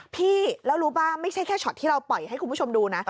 พี่แล้วรู้ป่ะไม่ใช่แค่ช็อตที่เราปล่อยให้คุณผู้ชมดูนะ